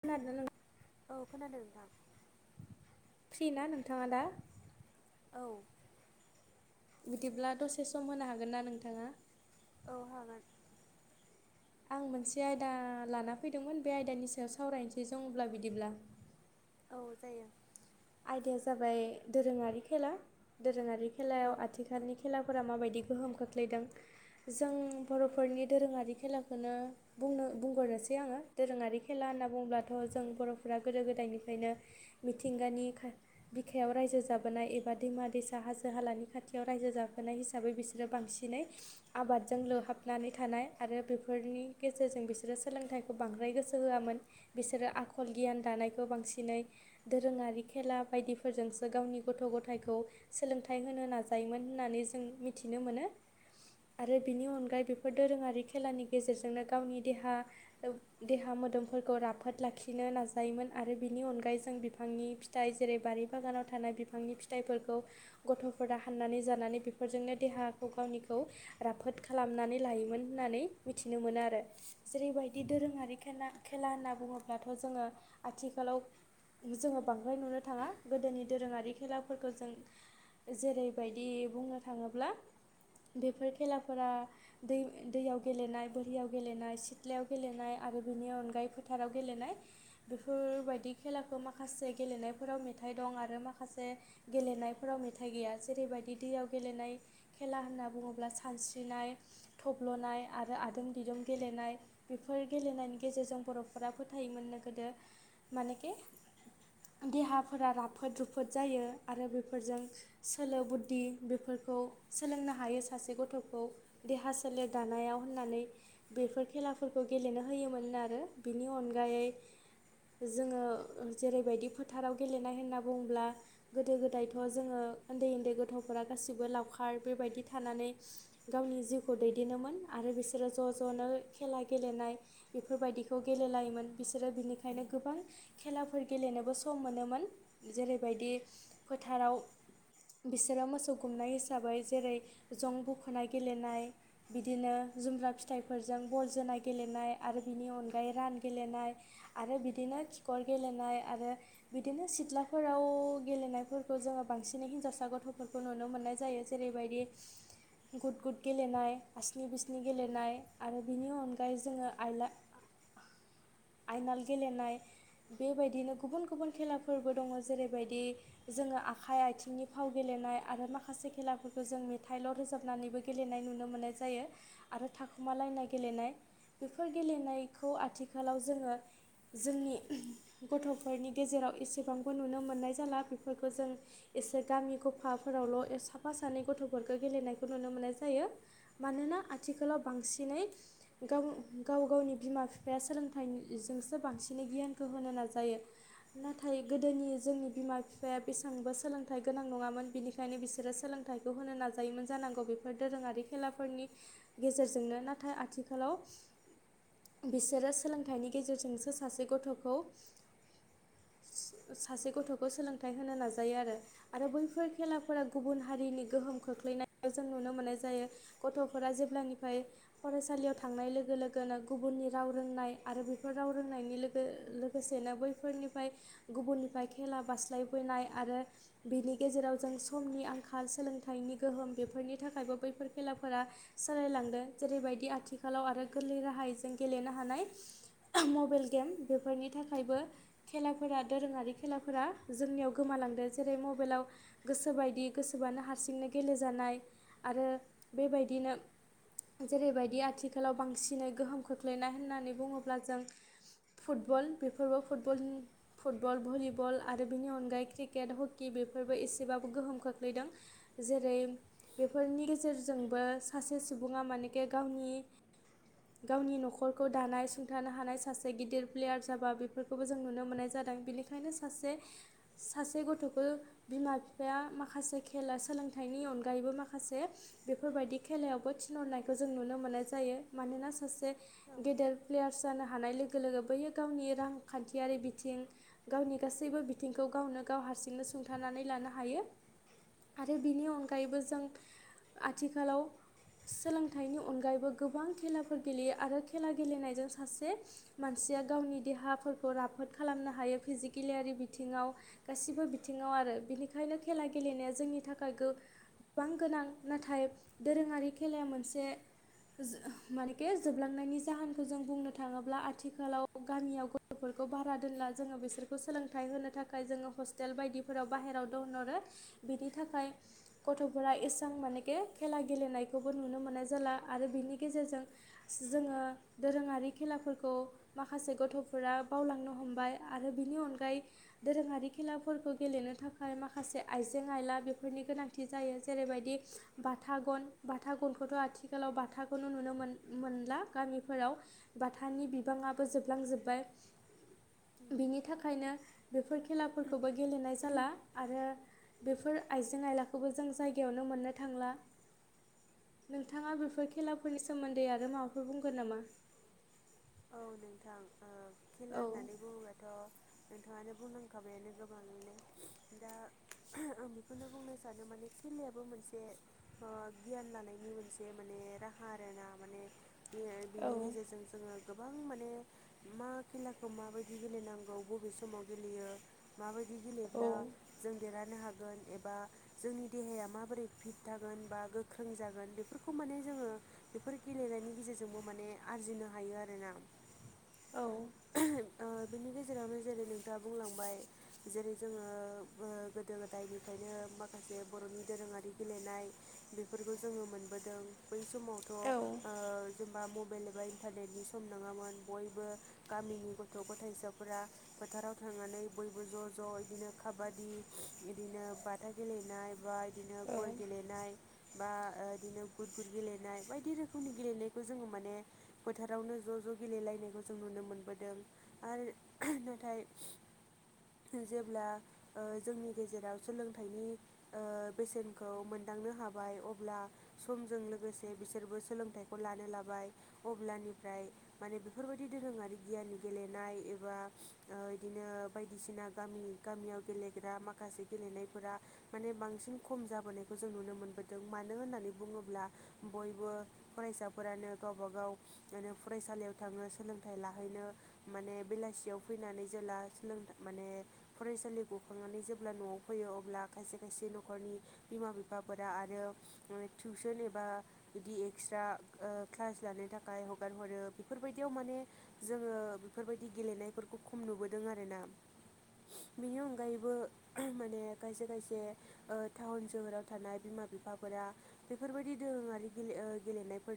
खोनादोना [unintelligible] औ खोनादों नोंथां। फ्रि ना नोंथाङा दा? औ। बिदिब्ला दसे सम होनो हागोन ना नोंथाङा? औ हागोन। आं मोनसे आयदा लाना फैदोंमोन बे आयदानि सायाव सावरायनोसै जों अब्ला बिदिब्ला औ जायो। आयदाया जाबाय दोरोङारि खेला दोरोङारि बे खेलायाव औ आथिखालनि खेलाफोरा माबायदि गोहोम खोख्लैदों जों बर'फोरनि दोरोङारि खेलाखौनो बुंनो बुंग्रोसै आङो। दोरोङारि खेला होनना बुङोब्लाथ' जों बर'फोरा गोदो गोदायनिफ्रायनो मिथिंगानि बिखायाव रायजो जाबोनाय एबा दैमा-दैसा, हाजो हालानि खाथियाव रायजो जाबोनाय हिसाबै बिसोरो बांसिनै आबादजों लोहाबनानै थानाय आरो बेफोरनि गेजेरजों बिसोरो सोलोंथाइखौ बांद्राय गोसो होआमोन। बिसोरो आखल गियान दानायखौ बांसिनै दोरोङारि खेला बायदिफोरजोंसो गावनि गथ' गथाइखौ सोलोंथाइ होनो नाजायोमोन होननानै जों मिथिनो मोनो। आरो बिनि अनगायै बेफोर दोरोङारि खेलानि गेजेरजोंनो गावनि देहा देहा मोदोमफोरखौ राफोद लाखिनो नाजायोमोन आरो बिनि अनगायै जों बिफांनि फिथाइ जेरै- बारि बागानाव थानाय बिफांनि फिथाइफोरखौ गथ'फोरा हाननानै जानानै बेफोरजोंनो देहाखौ गावनिखौ राफोद खालामनानै लायोमोन होननानै मिथिनो मोनो आरो। जेरैबायदि दोरोङारि खेला खेला होनना बुङोब्लाथ' जोङो आथिखालाव जोङो बांद्राय नुनो थाङा। गोदोनि दोरोङारि खेलाफोरखौ जों जेरैबायदि बुंनो थाङोब्ला बेफोर खेलाफोरा दै दैयाव गेलेनाय, बोरियाव गेलेनाय, सिथ्लायाव गेलेनाय आरो बिनि अनगायै फोथाराव गेलेनाय। बेफोरबायदि खेलाखौ माखासे गेलेनायफोराव मेथाइ दं आरो माखासे गेलेनायफोराव मेथाइ गैया। जेरैबायदि दैयाव गेलेनाय खेला होनना बुङोब्ला सानस्रिनाय थब्ल'नाय आरो आदोम दिदोम गेलेनाय। बेफोर गेलेनायनि गेजेरजों बर'फोरा फोथायोमोननो गोदो। मानेखि देहाफोरा राफोद रुफोद जायो आरो बेफोरजों सोलो बुद्धि बेफोरखौ सोलोंनो हायो। सासे गथ'खौ देहा सोलेर दानायाव होननानै बेफोर खेलाफोरखौ गेलेनो होयोमोननो आरो। बिनि अनगायै जोङो जेरैबायदि फोथाराव गेलेनाय होनना बुंङोब्ला गोदो गोदायथ' जोङो उन्दै उन्दै गथ'फोरा गासैबो लावखार बे बायदि थानानै गावनि जिउखौ दैदेनोमोन आरो बिसोरो ज' ज'नो खेला गेलेनाय बेफोरबायदिखौ गेलेलायोमोन। बिसोरो बिनिखायनो गोबां खेलाफोर गेलेनोबो सम सम मोनोमोन। जेरैबायदि फोथाराव बिसोरो मोसौ गुमनाय हिसाबै जेरै जं बुख'नाय गेलेनाय, बिदिनो जुमब्रा फिथाइफोरजों बल जोनाय गेलेनाय आरो बिनि अनगायै रान गेलेनाय, आरो बिदिनो खिखर गेलेनाय आरो बिदिनो सिथ्लाफोराव गेलेनायफोरखौ जोङो बांसिनै हिन्जावसा गथ'फोरखौ नुनो मोननाय जायो। जेरैबायदि गुद गुद गेलेनाय, आनि बिस्नि गेलेनाय आरो बिनि अनगायै जोङो आइला आयनाल गेलेनाय। बे बायदिनो गुबुन गुबुन खेलाफोरबो दङ। जेरैबायदि जोङो आखाइ आथिंनि फाव गेलेनाय आरो माखासे खेलाफोरखौ जों मेथाइल' रोजाबनानैबो गे गेलेनाय नुनो मोननाय जायो आरो थाखुमालायनाय गेलेनाय। बेफोर गेलेनायखौ आथिखालाव जोङो जोंनि गथ'फोरनि गेजेराव एसेबांबो नुनो मोननाय जाला बेफोरखौ जों एसे गामि गफाफोरावल' साफा सानै गथ'फोरखौ गेलेनायखौ नुनो मोननाय जायो। मानोना आथिखालाव बांसिनै गाव-गाव गावनि बिमा-बिफाया सोलोंथाइजोंसो बांसिन गियानखौ होनो नाजायो। नाथाय गोदोनि जोंनि बिमा-बिफाया बेसेबांबो सोलोंथाइ गोनां नङामोन बिनिखायनो बिसोरो सोलों थायखौ होनो नाजायोमोन जानांगौ बेफोर दोरोङारि खेलाफोरनि गेजेरजोंनो नाथाय आथिखालाव बिसोरो सोलोंथाइनि गेजेरजोंसो सासे गथ'खौ सासे गथ'खौ सोलोंथाइ होनो नाजायो आरो। आरो बैफोर खेलाफोरा गुबुन हारिनि गोहोम खोख्लैनायखौ जों नुनो मोननाय जायो। गथ'फोरा जेब्लानिफ्राय फरायसालियाव थांनाय लोगो लोगोनो गुबुननि राव रोंनाय आरो बेफोर राव रोंनायनि लोगो लोगो लोगोसेनो बैफोरनिफ्राय गुबुननिफ्राय खेला बास्लायबोनाय आरो बेनि गेजेराव जों समनि आंखाल सोलोंथाइनि गोहोम बेफोरनि थाखायबो बैफोर खेलाफोरा सोलायलांदों जेरैबायदि आथिखालाव आरो गोरलै राहाजों गेलेनो हानाय मबाइल गेम बेफोरनि थाखायबो खेलाफोरा दोरोङारि खेलाफोरा जोंनियाव गोमालांदों जेरै मबाइलाव गोसोबायदि गोसोबानो हारसिंनो गेलेजानाय आरो बेबायदिनो जेरैबायदि आथिखालाव बांसिनै गोहोम खोख्लैनाय होननानै बुङोब्ला जों फुटबल बेफोरबो फुटबल फुटबल, भलिबल आरो बिनि अनगायै क्रिकेट, हकि बेफोरबो एसेबाबो गोहोम खोख्लैदों। जेरै बेफोरनि गेजेरजोंबो सासे सुबुङा मानोखे गावनि गावनि न'खरखौ दानाय सुंथानो हानाय सासे गिदिर प्लेयार जाबा बेफोर खौबो जों नुनो मोननाय जादों। बेनिखायनो सासे-सासे गथ'खौ बिमा बिफाया माखासे खेला सोलोंथाइनि अनगायैबो माखासे बेफोरबायदि खेलायावबो थिनहरनायखौ जों नुनो मोननाय जायो। मानोना सासे औ गेदेर प्लेयारस जानो हानाय लोगो लोगो बैयो गावनि रांखान्थियारि बिथिं गावनि गासैबो बिथिंखौ गावनो गाव हारसिंनो सुंथानानै लानो हायो। आरो बेनि अनगायैबो जों आथिखालाव सोलोंथाइनि अनगायैबो गोबां खेलाफोर गेलेयो आरो खेला गेलेनायजों सासे मानसिया गावनि देहाफोरखौ राफोद खालामनो हायो फिजिकेेलारि बिथिङाव गासिबो बिथिङाव आरो बिनिखायनो खेला गेलेनाया जोंनि थाखाय गो बां गोनां। नाथाय दोरोङारि खेलाया मोनसे मानोके जोबलांनायनि जाहोनखौ जों बुंनो थाङोब्ला आथिखालाव गामियाव गथ'फोरखौ भारा दोनला जोङो बिसोरखौ सोलोंथाइ होनो थाखाय जोङो हस्टेल बायदिफोराव बाहेरायाव दोनहरो। बिनि थाखाय गथ'फोरा इसबां मानेखे खेला गेलेनायखौबो नुनो मोननाय जाला आरो बिनि गेजेरजों जोङो दोरोङारि खेलाफोरखौ माखासे गथ' फोरा बावलांनो हमबाय आरो बिनि अनगायै दोरोङारि खेलाफोरखौ गेलेनो थाखाय माखासे आइजें आयला बेफोरनि गोनांथि जायो जेरैबायदि बाथा गन, बाथा गनखौथ' आथिखालाव बाथाखौनो नुनो मोन-मोनला गामिफोराव। बाथानि बिबाङाबो जोबलांजोब्बाय बिनि थाखायनो बेफोर खेलाफोरखौबो गेलेनाय जाला। आरो बेफोर आइजें आइलाखौबो जों जायगायावनो मोननो थांला नोंथाङा बेफोर खेलाफोरनि सोमोन्दै आरो माबाफोर बुंगोन नामा? औ नोंथां खेला औ होननानै बुङोब्लाथ' नोंथाङानो बुंलांखाबायानो गोबाङैनो दा आं बेखौनो बुंनो सानो माने खेलायाबो मोनसे गियान लानायनि मोनसे माने राहा आरोना माने बे औ बिनि गेजेरजों जोङो गोबां माने मा खेलाखौ माबायदि गेलेनांगौ, बबे समाव गेलेयो, माबायदि औ गेलेब्ला जों देरहानो हागोन एबा जोंनि देहाया माबोरै फिट थागोन बा गोख्रों जागोन बेफोरखौ माने जोङो बेफोर गेलेनायनि गेजेरजोंबो माने आरजिनो हायो आरोना। औ। ओ बिनि गेजेरावनो जेरै नोंथाङा बुंलांबाय जेरै जोङो गोदो गोदायनिफ्रायनो माखासे बर'नि दोरोङारि गेलेनाय बेफोरखौ जोङो मोनबोदों। बै समावथ' ओ औ जेनेबा मबाइल एबा इन्टारनेटनि सम नङामोन बयबो गामिनि गथ' गथाइसाफोरा फोथाराव थांनानै बयबो ज' ज' बिदिनो खाबादि बिदिनो बाथा गेलेनाय बाय बिदिनो बल औ गेलेनाय बा इदिनो गुुद गुुद गेलेनाय बायदि रोखोमनि गेलेनायखौ जोङो माने फोथारावनो ज' ज' गेलेलायनायखौ जों नुनो मोनबोदों आरो नाथाय जेब्ला ओ जोंनि गेजेराव सोलोंथाइनि ओ बेसेनखौ मोनदांनो हाबाय अब्ला समजों लोगोसे बिसोरबो सोलोंथाइखौ लानो लाबाय अब्लानिफ्राय माने बेफोरबायदि दोरोङारि गियान गेलेनाय एबा ओ इदिनो बायदिसिना गामि गामियाव गेलेग्रा माखासे गेलेनायफोरा माने बांसिन खम जाबोनायखौ जों नुनो मोनबोदों मानो होननानै बुङोब्ला बयबो फरायसाफोरानो गावबा गाव आरो फरायसालियाव थाङो सोलोंथाइ लाहैनो। माने बेलासियाव फैनानै जेला सोलों माने फरायसालि गखांनानै जेब्ला न'आव फैयो अब्ला खायसे खायसे न'खरनि बिमा बिफाफोरा आरो टिउसन एबा बिदि एक्सट्रा क्लास लानो थाखाय हगार हरो बेफोरबायदियाव माने जोङो बेफोरबायदि गेलेनायफोरखौ खम नुबोदों आरोना। बेनि अनगायैबो माने खायसे खायसे ओ टाउन सोहोराव थानाय बिमा बिफाफोरा बेफोरबायदि दोरोङारि गेल गेलेनायफोरनि